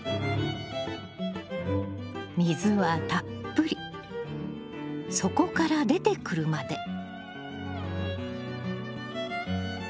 水はたっぷり底から出てくるまで。